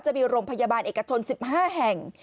จะมีโรงพยาบาลเอกชน๑๕แห่ง